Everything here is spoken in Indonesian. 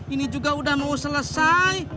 ini juga udah mau selesai